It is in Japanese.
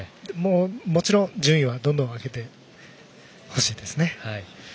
もちろん順位はどんどん上げてほしいですね。